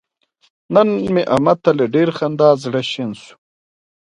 نن مې احمد ته له ډېرې خندا مې زره شنه شوله.